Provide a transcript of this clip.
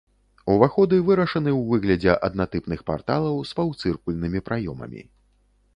Уваходы вырашаны ў выглядзе аднатыпных парталаў з паўцыркульнымі праёмамі.